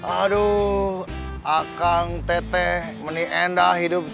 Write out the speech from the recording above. aduh akang teteh meni endah hidup